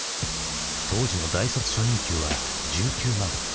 当時の大卒初任給は１９万。